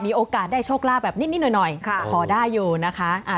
มีโอกาสได้โชคลาภแบบนิดหน่อยขอได้อยู่นะคะ